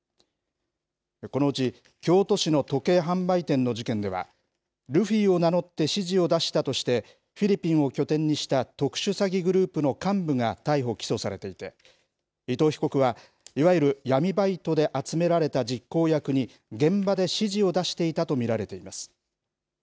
このうち京都市の時計販売店の事件では、ルフィを名乗って指示を出したとして、フィリピンを拠点にした特殊詐欺グループの幹部が逮捕・起訴されていて、伊藤被告は、いわゆる闇バイトで集められた実行役に現場で指示を出していたと見られています。